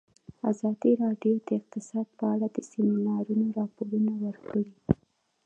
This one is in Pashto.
ازادي راډیو د اقتصاد په اړه د سیمینارونو راپورونه ورکړي.